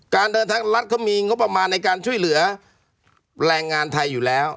การเดินทางรัฐเขามีงบประมาณในการช่วยเหลือแรงงานไทยอยู่แล้ว